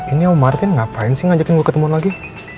ini om martin ngapain sih ngajakin gue ketemu lagi